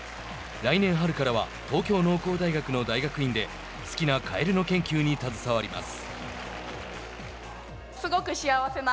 来年春からは東京農工大学の大学院で好きなカエルの研究に携わります。